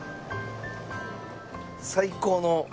最高の。